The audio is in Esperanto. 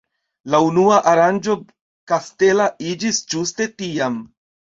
La unua aranĝo kastela iĝis ĝuste tiam.